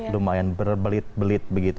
lumayan berbelit belit begitu